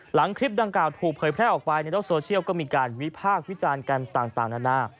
หลังคลิปดังกล่าวถูกเผยแพร่ออกไปในโลกโซเชียลก็มีการวิพากษ์วิจารณ์กันต่างนานา